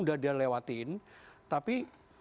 sudah dilewatiin tapi